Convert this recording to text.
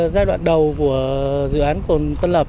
giai đoạn đầu của dự án còn tân lập